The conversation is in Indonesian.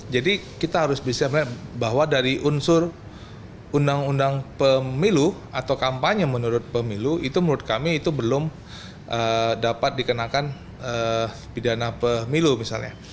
jadi kita harus bisa melihat bahwa dari unsur undang undang pemilu atau kampanye menurut pemilu itu menurut kami itu belum dapat dikenakan pidana pemilu misalnya